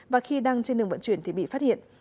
và khi đang trên đường vận chuyển thì bị phát hiện